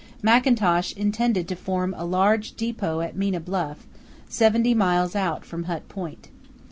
Mackintosh intended to form a large depot off Minna Bluff, seventy miles out from Hut Point.